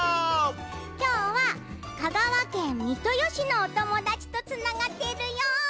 きょうは香川県三豊市のおともだちとつながってるよ！